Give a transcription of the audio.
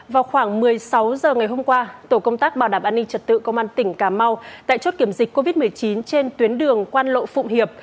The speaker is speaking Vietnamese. vào khoảng một mươi sáu h ngày hôm qua tổ công tác bảo đảm an ninh trật tự công an tỉnh cà mau tại chốt kiểm dịch covid một mươi chín trên tuyến đường quan lộ phụng hiệp